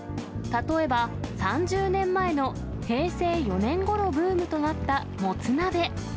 例えば、３０年前の平成４年ごろブームとなった、もつ鍋。